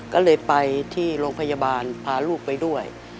ก็เลยไปที่โรงพยาบาลพาลูกไปด้วย